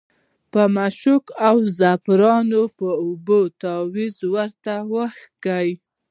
په مشکو او زعفرانو په اوبو تاویز ورته وکیښ.